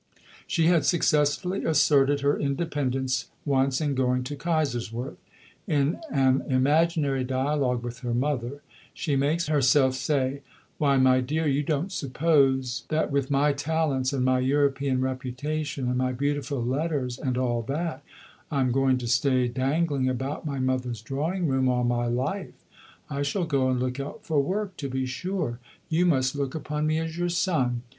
She had successfully asserted her independence once in going to Kaiserswerth. In an imaginary dialogue with her mother, she makes herself say, "Why, my dear, you don't suppose that with my 'talents' and my 'European reputation' and my 'beautiful letters,' and all that, I'm going to stay dangling about my mother's drawing room all my life! I shall go and look out for work, to be sure. You must look upon me as your son.